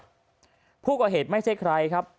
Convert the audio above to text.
ผู้ก่อเหตุไม่ใช่ใครครับ